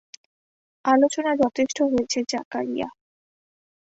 আলোচনা যথেষ্ট হয়েছে জাকারিয়া।